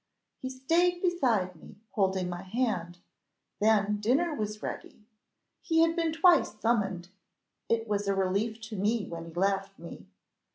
He stayed beside me, holding my hand: then dinner was ready; he had been twice summoned. It was a relief to me when he left me.